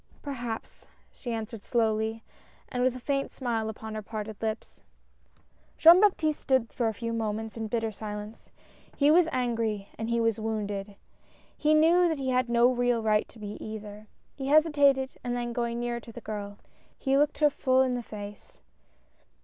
"Perhaps!" she answered slowly and with a faint smile upon her parted lips. Jean Baptiste stood for a few moments in bitter silence. He was angry and he was wounded. He knew that he had no real right to be either. He hesi tated and then going nearer to the girl, he looked her full in the face.